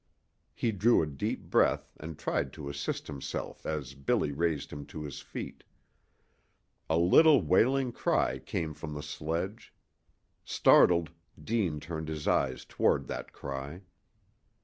He drew a deep breath and tried to assist himself as Billy raised him to his feet. A little wailing cry came from the sledge. Startled, Deane turned his eyes toward that cry.